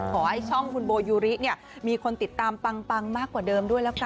ขอให้ช่องคุณโบยูริเนี่ยมีคนติดตามปังมากกว่าเดิมด้วยแล้วกัน